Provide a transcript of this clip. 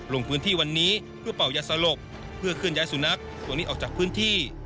ลงพื้นที่วันนี้เพื่อเป่ายาสลบเพื่อเคลื่อยสุนัขตัวนี้ออกจากพื้นที่